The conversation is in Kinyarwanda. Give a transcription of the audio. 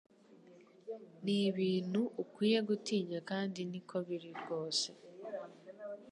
Ni ibintu ukwiye gutinya kandi niko biri rwose